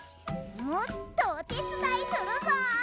もっとおてつだいするぞ！